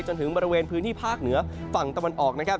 จนถึงบริเวณพื้นที่ภาคเหนือฝั่งตะวันออกนะครับ